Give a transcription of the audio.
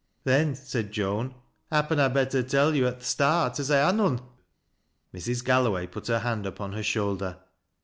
" Then," said Joan, " happen I'd better tell yo' at th' start as I ha' none" Mrs. Galloway put her hand upon her shoulder.